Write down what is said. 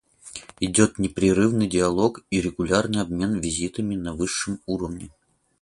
Идет непрерывный диалог и регулярный обмен визитами на высшем уровне.